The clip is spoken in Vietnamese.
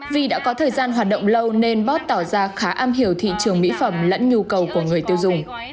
vì đã có thời gian hoạt động lâu nên bót tỏ ra khá am hiểu thị trường mỹ phẩm lẫn nhu cầu của người tiêu dùng